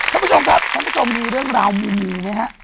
ท่านผู้ชมครับท่านผู้ชมมีเรื่องราวมูไหมฮะ